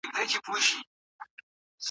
وروسته {كِتَابٌ أُنزِلَ إِلَيْكَ}. ذکر سوی دی.